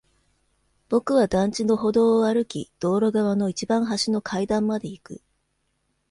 僕は団地の歩道を歩き、道路側の一番端の階段まで行く。